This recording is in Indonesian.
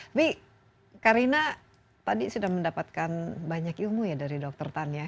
tapi karina tadi sudah mendapatkan banyak ilmu ya dari dokter tan ya